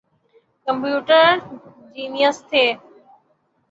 Computer genius تھے۔